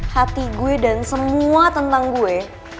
hati gue dan semua tentang gue